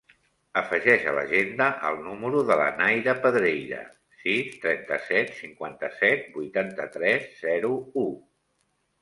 Afegeix a l'agenda el número de la Naira Pedreira: sis, trenta-set, cinquanta-set, vuitanta-tres, zero, u.